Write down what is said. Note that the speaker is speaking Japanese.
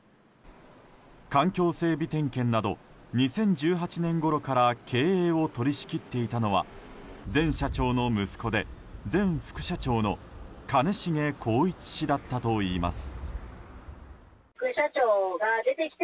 環境整備点検など２０１８年ごろから経営を取り仕切っていたのは前社長の息子で前副社長の兼重宏一氏だったといいます。